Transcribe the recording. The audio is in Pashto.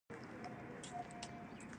چې عثمان جان باچا ملک ته ځلوبۍ واخلي.